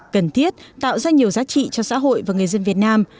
cần thiết tạo ra nhiều giá trị cho xã hội và người dân việt nam